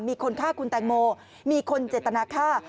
มีคนฆ่าคุณแตงโมมีคนเจตนาฆ่า